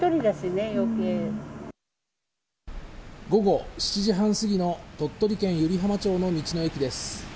午後７時半すぎの鳥取県湯梨浜町の道の駅です。